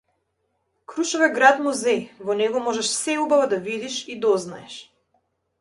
Крушево е град музеј во него можеш се убаво да видиш и дознаеш.